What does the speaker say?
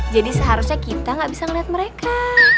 jadi seharusnya kita nggak bisa melihat mereka